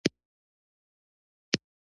لېلیانو غوره ګڼله په پنځه دېرش کلنۍ کې واده وکړي.